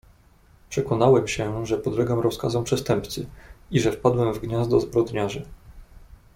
"Przekonałem się, że podlegam rozkazom przestępcy i że wpadłem w gniazdo zbrodniarzy."